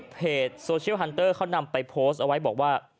เพจโซเชียลฮันเตอร์เขานำไปโพสต์เอาไว้บอกว่า